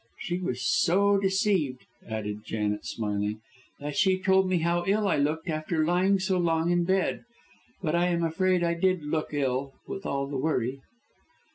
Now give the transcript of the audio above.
She was so deceived," added Janet, smiling, "that she told me how ill I looked after lying so long in bed. But I am afraid I did look ill, with all the worry."